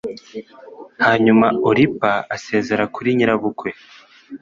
hanyuma oripa asezera kuri nyirabukwe